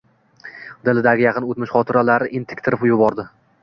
Dilidagi yaqin oʼtmish xotiralari entiktirib yubordi.